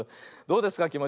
「どうですか？